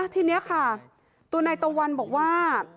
ทีนี้ค่ะตัวนายตะวันบอกว่า